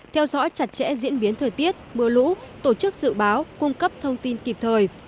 theo dõi chặt chẽ diễn biến thời tiết mưa lũ tổ chức dự báo cung cấp thông tin kịp thời